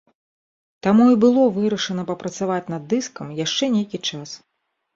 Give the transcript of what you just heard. Таму і было вырашана папрацаваць нам дыскам яшчэ нейкі час.